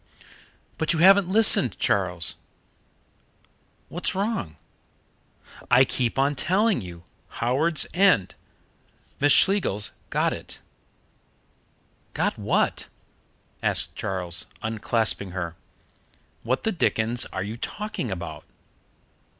"But you haven't listened, Charles " "What's wrong?" "I keep on telling you Howards End. Miss Schlegels got it." "Got what?" asked Charles, unclasping her. "What the dickens are you talking about?"